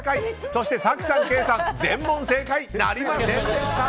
そして早紀さん、ケイさん全問正解なりませんでした。